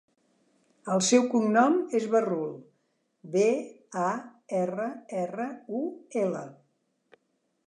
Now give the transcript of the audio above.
El seu cognom és Barrul: be, a, erra, erra, u, ela.